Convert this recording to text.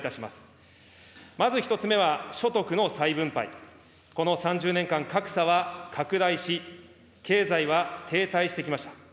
まず１つ目は所得の再分配、この３０年間、格差は拡大し、経済は停滞してきました。